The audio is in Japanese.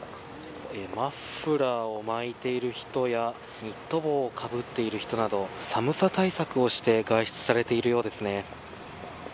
マフラーを巻いている人やニット帽をかぶっている人など寒さ対策をして外出されているようですね。